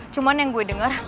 cuman yang gue denger